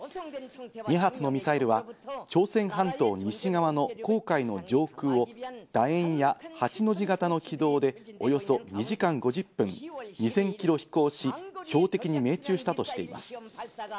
２発のミサイルは朝鮮半島西側の黄海の上空を楕円や８の字形の軌道でおよそ２時間５０分、２０００キロ飛行し、標的に命中したとしています。